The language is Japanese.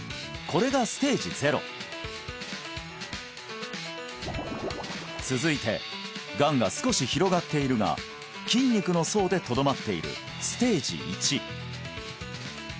これがステージ０続いてがんが少し広がっているが筋肉の層でとどまっているステージ